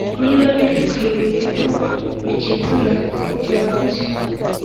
niba bigikwiriye ko ukigura Byavuzwe